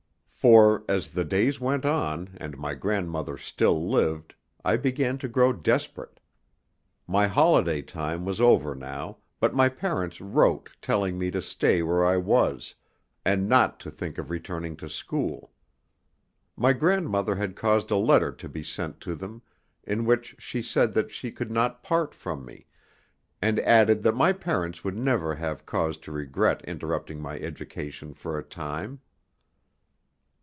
For, as the days went on, and my grandmother still lived, I began to grow desperate. My holiday time was over now, but my parents wrote telling me to stay where I was, and not to think of returning to school. My grandmother had caused a letter to be sent to them in which she said that she could not part from me, and added that my parents would never have cause to regret interrupting my education for a time.